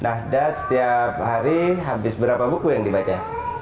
nahda setiap hari habis berapa buku yang dibaca